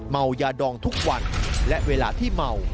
เมายาดองทุกวันและเวลาที่เมา